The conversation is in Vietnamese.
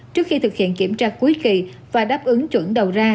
trước khi thực hiện kiểm tra cuối kỳ và đáp ứng chuẩn đầu ra